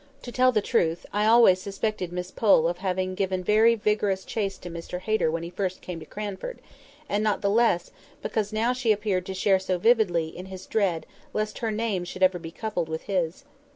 To tell the truth, I always suspected Miss Pole of having given very vigorous chase to Mr Hayter when he first came to Cranford; and not the less, because now she appeared to share so vividly in his dread lest her name should ever be coupled with his.